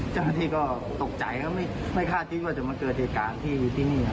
เจ้าหน้าที่ก็ตกใจก็ไม่คาดคิดว่าจะมาเกิดเหตุการณ์ที่นี่ครับ